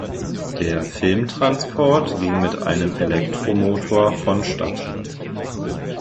Der Filmtransport ging mit einem Elektromotor vonstatten.